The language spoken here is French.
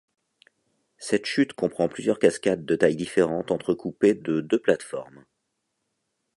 Cette chute comprend plusieurs cascades de tailles différentes entrecoupées de deux plates-formes.